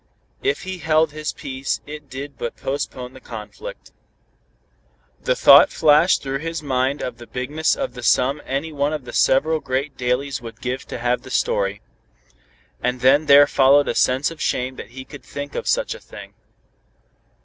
If he held his peace it did but postpone the conflict. The thought flashed through his mind of the bigness of the sum any one of the several great dailies would give to have the story. And then there followed a sense of shame that he could think of such a thing.